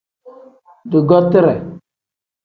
Dugotire.